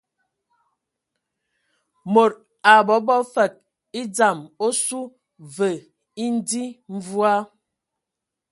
Mod a bobo fəg e dzam osu, və e dzi mvua.